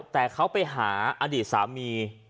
แต่เขาไปหาอดีตสามี